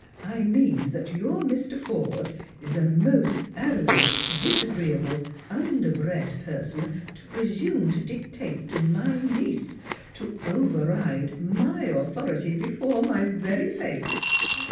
"I mean that your Mr. Eorde is a most arrogant, disagreeable, under bred person to presume to dictate to my niece — to over ride my authority before my very face